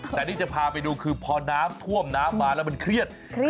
แต่นี่จะพาไปดูคือพอน้ำท่วมน้ำมาแล้วมันเครียด